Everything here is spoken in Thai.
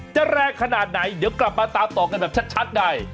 จะแรงขนาดไหนเดี๋ยวกลับมาตามต่อกันแบบชัดใน